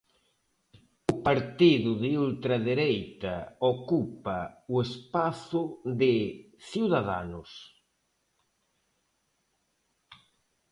O partido de ultradereita ocupa o espazo de Ciudadanos.